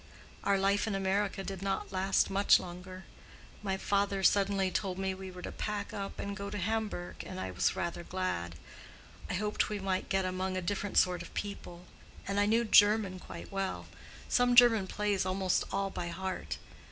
Our life in America did not last much longer. My father suddenly told me we were to pack up and go to Hamburg, and I was rather glad. I hoped we might get among a different sort of people, and I knew German quite well—some German plays almost all by heart.